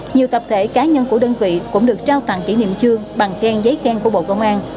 nhiều tập thể cá nhân của đơn vị cũng được trao tặng kỷ niệm trương bằng khen giấy khen của bộ công an